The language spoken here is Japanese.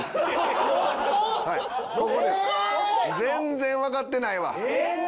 全然わかってないわ。